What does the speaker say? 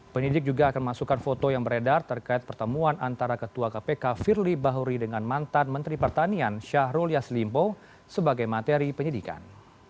penyidik juga akan masukkan foto yang beredar terkait pertemuan antara ketua kpk firly bahuri dengan mantan menteri pertanian syahrul yaslimpo sebagai materi penyidikan